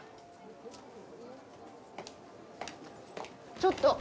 ちょっと！